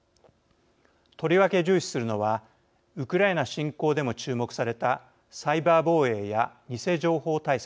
とりわけ重視するのはウクライナ侵攻でも注目されたサイバー防衛や偽情報対策です。